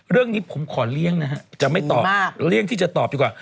เรื่องนี้ผมขอเลี่ยงนะฮะจะไม่ตอบเลี่ยงที่จะตอบดีกว่า